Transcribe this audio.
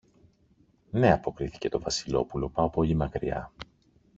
Ναι, αποκρίθηκε το Βασιλόπουλο, πάω πολύ μακριά.